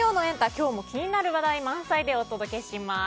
今日も気になる話題満載でお届けします。